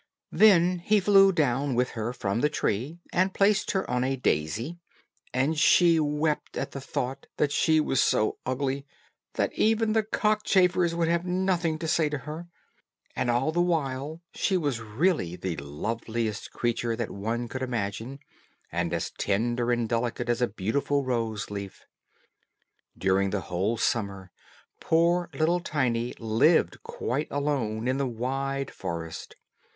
Then he flew down with her from the tree, and placed her on a daisy, and she wept at the thought that she was so ugly that even the cockchafers would have nothing to say to her. And all the while she was really the loveliest creature that one could imagine, and as tender and delicate as a beautiful rose leaf. During the whole summer poor little Tiny lived quite alone in the wide forest.